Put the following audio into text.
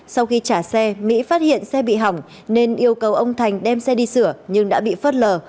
sau khi trả xe mỹ phát hiện xe bị hỏng nên yêu cầu ông thành đem xe đi sửa nhưng đã bị phớt lờ